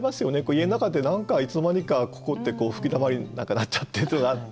家の中で何かいつの間にかここって吹きだまりに何かなっちゃってとかって。